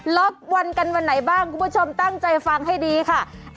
วันกันวันไหนบ้างคุณผู้ชมตั้งใจฟังให้ดีค่ะ